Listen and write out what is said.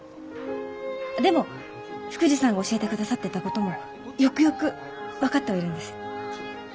でも福治さんが教えてくださってたこともよくよく分かってはいるんです。